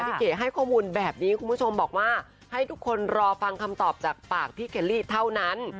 เก๋ให้ข้อมูลแบบนี้คุณผู้ชมบอกว่าให้ทุกคนรอฟังคำตอบจากปากพี่เคลลี่เท่านั้น